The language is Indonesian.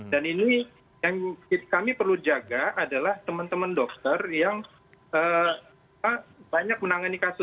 ini yang kami perlu jaga adalah teman teman dokter yang banyak menangani kasus